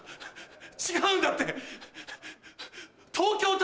違うんだって！